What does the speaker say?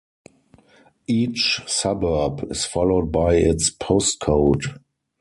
Each suburb is followed by its postcode.